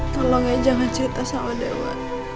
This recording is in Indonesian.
tolong ya jangan cerita sama dewa